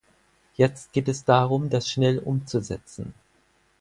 Jetzt geht es darum, das schnell umzusetzen.